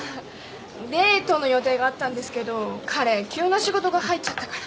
デートの予定があったんですけど彼急な仕事が入っちゃったから。